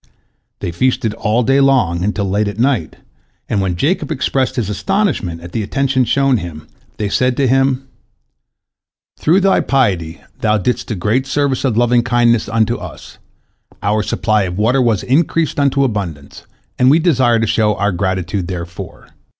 They feasted all day long, until late at night, and when Jacob expressed his astonishment at the attention shown him, they said to him: "Through thy piety thou didst a great service of lovingkindness unto us, our supply of water was increased unto abundance, and we desire to show our gratitude therefor."